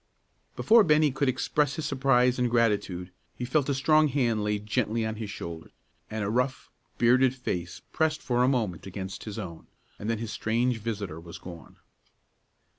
Before Bennie could express his surprise and gratitude, he felt a strong hand laid gently on his shoulder, and a rough, bearded face pressed for a moment against his own, and then his strange visitor was gone.